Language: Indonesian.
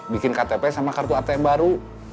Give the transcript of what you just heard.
bikin ktp sama kartu atm baru